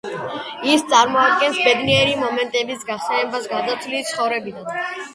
ის წარმოადგენს ბედნიერი მომენტების გახსენებას გარდაცვლილის ცხოვრებიდან.